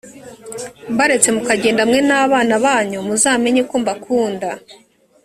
mbaretse mukagenda mwe n’abana banyu muzamenye ko mbakunda